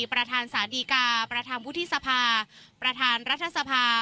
ประธานสาธิกาประธานพุทธศพาประธานรัฐศพา